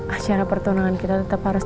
acara pertonangan kita tetap harus